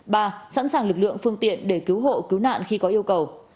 ba sẵn sàng lực lượng phương tiện để cứu hộ cứu nạn khi có yêu cầu